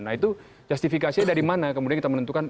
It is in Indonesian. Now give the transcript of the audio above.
nah itu justifikasinya dari mana kemudian kita menentukan